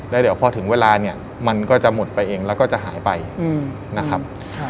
แล้วเดี๋ยวพอถึงเวลาเนี่ยมันก็จะหมดไปเองแล้วก็จะหายไปนะครับ